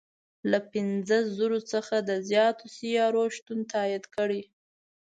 له پنځه زرو څخه د زیاتو سیارو شتون تایید کړی.